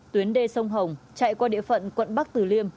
tuyến đê sông hồng chạy qua địa phận quận bắc tử liêm